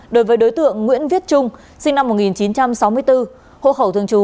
đối với đối tượng nguyễn viết trung sinh năm một nghìn chín trăm sáu mươi bốn hộ khẩu thường trú